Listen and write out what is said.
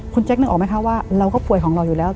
คุณแจ๊คนึกออกไหมคะว่าเราก็ป่วยของเราอยู่แล้ว